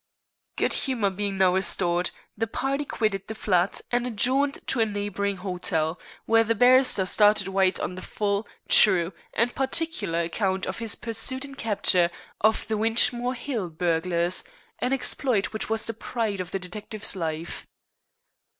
Good humor being now restored, the party quitted the flat and adjourned to a neighboring hotel, where the barrister started White on the full, true, and particular account of his pursuit and capture of the Winchmore Hill burglars, an exploit which was the pride of the detective's life.